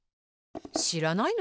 しらないの？